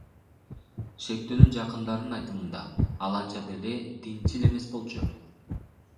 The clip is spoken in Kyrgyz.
Шектүүнүн жакындарынын айтымында, ал анча деле динчил эмес болчу.